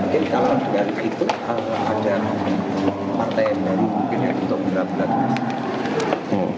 jadi kalau dari situ ada partai yang baru mungkin yang kita beragam